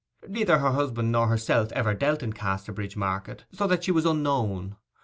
Neither her husband nor herself ever dealt in Casterbridge market, so that she was unknown.